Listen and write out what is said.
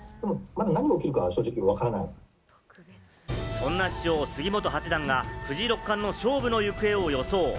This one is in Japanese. そんな師匠・杉本八段が藤井六冠の勝負の行方を予想。